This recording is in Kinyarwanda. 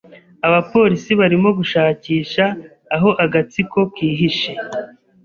Abapolisi barimo gushakisha aho agatsiko kihishe.